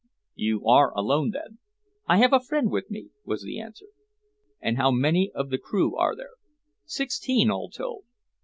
"You are alone, then?" "I have a friend with me," was the answer. "And how many of the crew are there?" "Sixteen, all told."